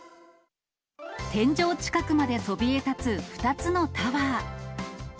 天井近くまでそびえたつ２つのタワー。